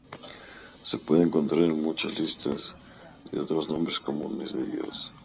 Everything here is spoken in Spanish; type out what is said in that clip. Se puede encontrar en muchas listas de otros nombres comunes de Dios.